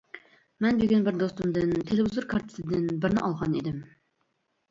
مەن بۈگۈن بىر دوستۇمدىن تېلېۋىزور كارتىسىدىن بىرنى ئالغان ئىدىم.